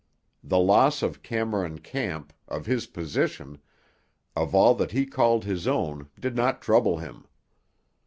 The loss of Cameron Camp, of his position, of all that he called his own did not trouble him.